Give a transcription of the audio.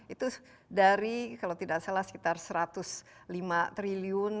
itu dari kalau tidak salah sekitar satu ratus lima triliun